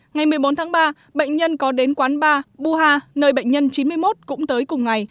ngày một mươi bốn tháng ba bệnh nhân có đến quán bar buha nơi bệnh nhân chín mươi một cũng tới cùng ngày